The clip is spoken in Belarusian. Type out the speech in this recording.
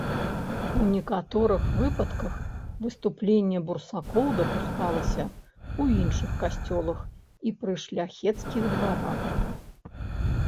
У некаторых выпадках выступленні бурсакоў дапускаліся ў іншых касцёлах і пры шляхецкіх дварах.